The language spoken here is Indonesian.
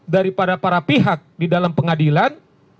daripada para pihak di dalam pengadilan